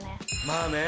まあね。